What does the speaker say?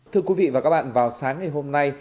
thưa quý vị và các bạn vào sáng ngày hôm nay